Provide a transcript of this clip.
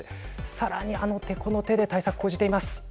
さらに、あの手この手で対策、講じています。